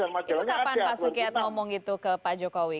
itu itu itu kapan pak sukya ngomong itu ke pak jokowi